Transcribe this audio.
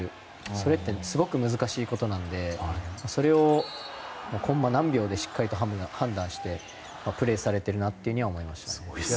それってすごく難しいことなのでそれをコンマ何秒でしっかりと判断してプレーされているなというふうには思いましたね。